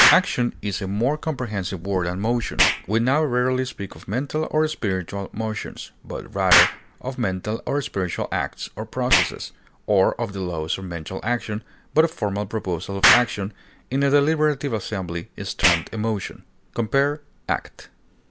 Action is a more comprehensive word than motion. We now rarely speak of mental or spiritual motions, but rather of mental or spiritual acts or processes, or of the laws of mental action, but a formal proposal of action in a deliberative assembly is termed a motion. Compare ACT.